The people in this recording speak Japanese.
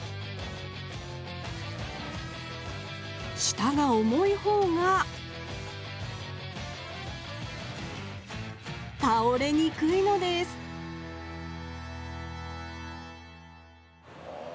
下が重い方がたおれにくいのですあ